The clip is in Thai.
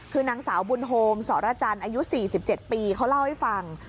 คือนางสาวบุญโฮมสรจันทร์อายุ๔๗ปีเขาเล่าให้ฟัง